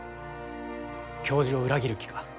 教授を裏切る気か？